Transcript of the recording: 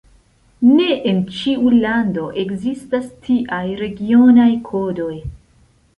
Ne en ĉiu lando ekzistas tiaj regionaj kodoj.